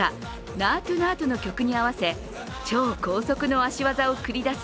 「ナートゥ・ナートゥ」の曲に合わせ超高速の足技を繰り出す